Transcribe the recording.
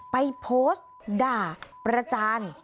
ไปโพสต์ด่าประจาน